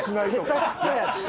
下手くそやって。